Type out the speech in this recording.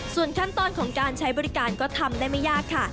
ส่วนขั้นตอนของการใช้บริการก็ทำได้ไม่ยากค่ะ